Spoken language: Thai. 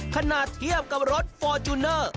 เทียบกับรถฟอร์จูเนอร์